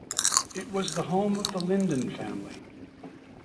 It was the home of the Lyndon family.